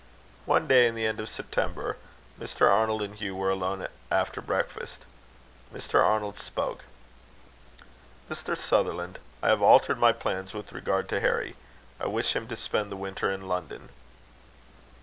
One day, in the end of September, Mr. Arnold and Hugh were alone after breakfast. Mr. Arnold spoke: "Mr. Sutherland, I have altered my plans with regard to Harry. I wish him to spend the winter in London."